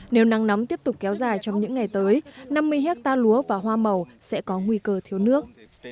nếu nắng nóng tiếp tục kéo dài trong những ngày tới năm mươi hectare lúa và hoa màu sẽ có nguy cơ thiếu nước